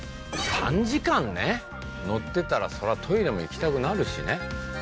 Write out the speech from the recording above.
３時間ね乗ってたらそりゃトイレも行きたくなるしね。